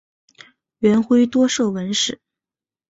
元晖多涉文史。